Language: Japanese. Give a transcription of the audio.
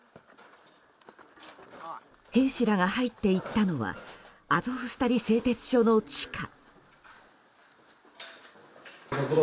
兵士らが入っていったのはアゾフスタリ製鉄所の地下。